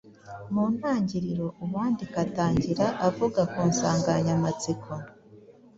Mu ntangiriro uwandika atangira avuga ku nsanganyamatsiko